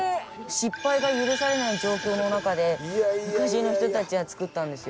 失敗が許されない状況の中で昔の人たちは造ったんですよ。